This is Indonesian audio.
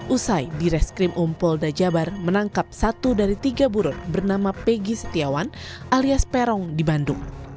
usai di reskrim umpol dajabar menangkap satu dari tiga burun bernama pegi setiawan alias perong di bandung